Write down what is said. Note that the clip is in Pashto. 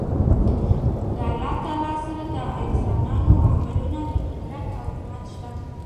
د الله تعالی سره د انسان د عملونو قدر او اهميت شته